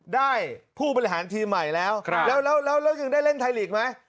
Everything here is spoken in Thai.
ผู้บริหารทีมใหม่แล้วแล้วยังได้เล่นไทยลีกไหม